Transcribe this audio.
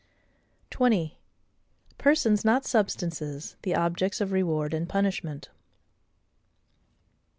20. Persons, not Substances, the Objects of Reward and Punishment.